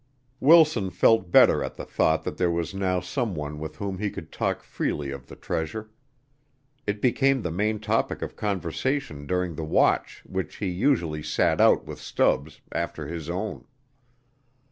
Wilson felt better at the thought that there was now someone with whom he could talk freely of the treasure. It became the main topic of conversation during the watch which he usually sat out with Stubbs, after his own.